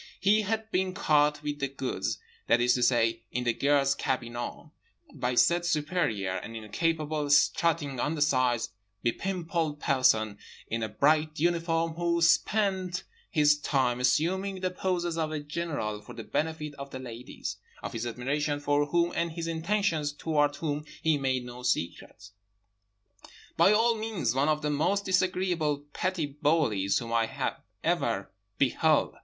He had been caught with the goods—that is to say, in the girl's cabinot—by said superior: an incapable, strutting, undersized, bepimpled person in a bright uniform who spent his time assuming the poses of a general for the benefit of the ladies; of his admiration for whom and his intentions toward whom he made no secret. By all means one of the most disagreeable petty bullies whom I ever beheld.